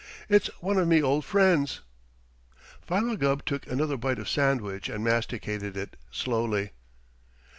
It's one of me old friends." Philo Gubb took another bite of sandwich and masticated it slowly.